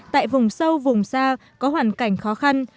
tại vùng sâu vùng xa có hoàn cảnh khó khăn